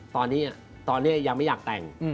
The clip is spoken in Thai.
ตอนนี้ยังไม่อยากแต่ง